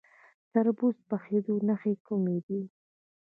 د تربوز د پخیدو نښې کومې دي؟